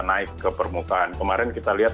naik ke permukaan kemarin kita lihat